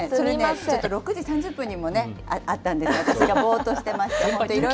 ちょっと６時３０分にもあったんです、私がぼーっとしてました。